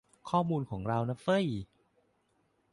ข้อมูลของเรานะเฟ้ย